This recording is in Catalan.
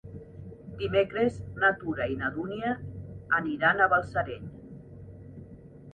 Dimecres na Tura i na Dúnia aniran a Balsareny.